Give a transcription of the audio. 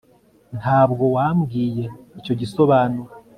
nta bwo wambwiye icyo gisobanura